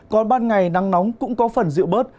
còn ban ngày nắng nóng cũng có phần dịu bớt